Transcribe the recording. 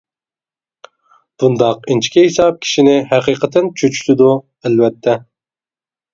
بۇنداق ئىنچىكە ھېساب كىشىنى ھەقىقەتەن چۆچۈتىدۇ، ئەلۋەتتە.